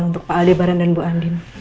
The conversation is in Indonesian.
untuk pak aldebaran dan bu andin